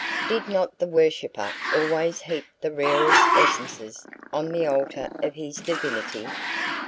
Did not the worshipper always heap the rarest essences on the altar of his divinity?